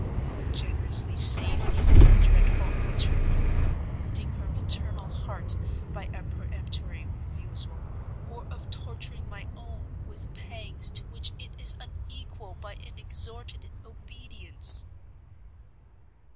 Oh generously save me from the dreadful alternative of wounding her maternal heart by a peremptory refusal, or of torturing my own with pangs to which it is unequal by an extorted obedience!"